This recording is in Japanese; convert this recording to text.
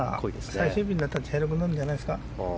最終日になったら茶色くなるんじゃないですか。